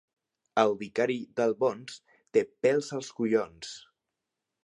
El vicari d'Albons té pèls als collons.